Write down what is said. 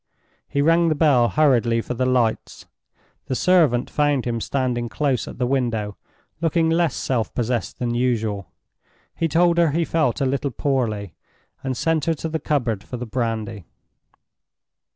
He rang the bell hurriedly for the lights. The servant found him standing close at the window, looking less self possessed than usual. He told her he felt a little poorly, and sent her to the cupboard for the brandy.